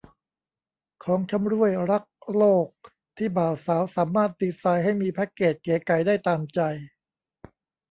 ของชำร่วยรักษ์โลกที่บ่าวสาวสามารถดีไซน์ให้มีแพ็กเกจเก๋ไก๋ได้ตามใจ